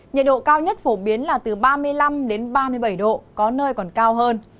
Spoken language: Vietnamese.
nhiệt độ cao nhất phổ biến là từ ba mươi năm đến ba mươi bảy độ có nơi còn cao hơn